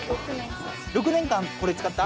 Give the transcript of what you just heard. ６年間これ使った？